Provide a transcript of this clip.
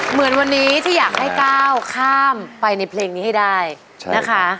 เหมือนวันนี้ที่อยากให้ก้าวข้ามไปในเพลงนี้ให้ได้นะคะ